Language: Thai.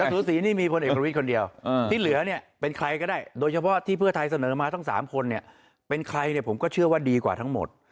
สูสีนี่มีพลเอกประวิทย์คนเดียวที่เหลือเนี่ยเป็นใครก็ได้โดยเฉพาะที่เพื่อไทยเสนอมาทั้ง๓คนเนี่ยเป็นใครเนี่ยผมก็เชื่อว่าดีกว่าทั้งหมด